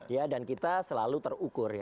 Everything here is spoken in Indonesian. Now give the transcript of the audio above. ya dan kita selalu terukur ya